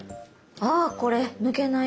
あこれ抜けない。